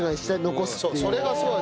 それがすごい。